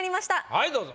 はいどうぞ。